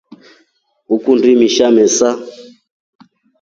Ukundi imisha mesa?